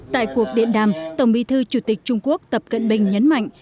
tại cuộc điện đàm tổng bí thư chủ tịch trung quốc tập cận bình nhấn mạnh